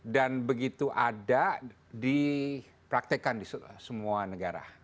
dan begitu ada dipraktekan di semua negara